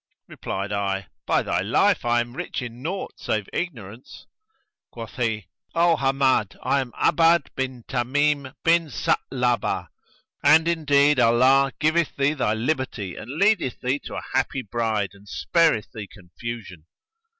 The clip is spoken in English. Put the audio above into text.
Replied I, "By thy life, I am rich in naught save ignorance!' Quoth he, "O Hammad, I am 'Abbád bin Tamím bin Sa'labah and indeed Allah giveth thee thy liberty and leadeth thee to a happy bride and spareth thee confusion."